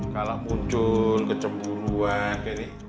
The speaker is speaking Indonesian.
kalau muncul kecemburuan jadi